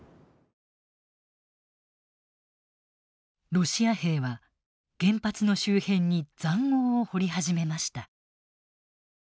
ロシア兵は原発の周辺に塹壕を掘り始めました。